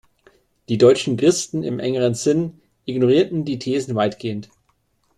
Die Deutschen Christen im engeren Sinn ignorierten die Thesen weitgehend.